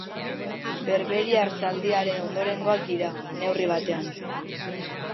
Berberiar zaldiaren ondorengoak dira, neurri batean.